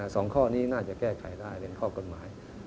สองข้อนี้น่าจะแก้ไขได้เป็นข้อกฎหมาย